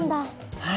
はい。